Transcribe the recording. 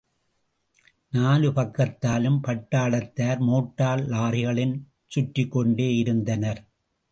நாலு பக்கத்தாலும் பட்டாளத்தார் மோட்டார் லாரிகளின் சுற்றிக்கொண்டே யிருந்தனர்.